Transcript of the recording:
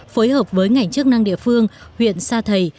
phối hợp với ngành chức năng địa phương huyện sa thầy